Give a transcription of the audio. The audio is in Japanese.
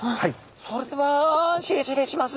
それでは失礼します。